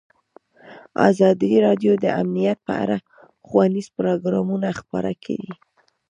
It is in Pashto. ازادي راډیو د امنیت په اړه ښوونیز پروګرامونه خپاره کړي.